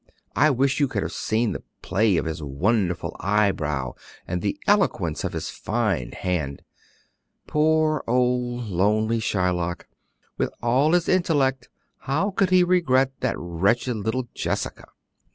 I wish you could have seen the play of his wonderful eyebrow and the eloquence of his fine hand. Poor old, lonely Shylock! With all his intellect, how could he regret that wretched little Jessica?"